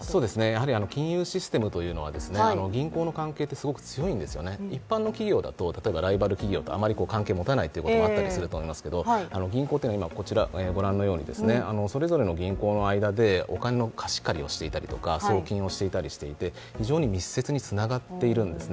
やはり金融システムというのは銀行の関係ってすごく強いんですよね、一般の企業だと例えばライバル企業とあまり関係を持たないということがあったりしますけど、銀行というのはご覧のようにそれぞれの銀行の間でお金の貸し借りをしていたりとか送金をしたりしていて非常に密接につながっているのです。